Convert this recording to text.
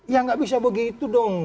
ya nggak bisa begitu dong